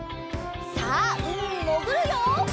さあうみにもぐるよ！